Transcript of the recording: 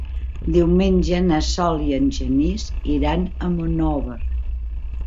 Diumenge na Sol i en Genís iran a Monòver.